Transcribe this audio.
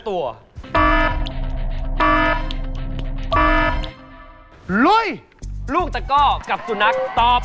ปลูกชนไก่กันต่อ